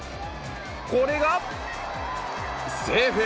これが、セーフ。